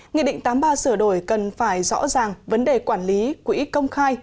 nghị định tám mươi ba sửa đổi cần phải rõ ràng vấn đề quản lý quỹ công khai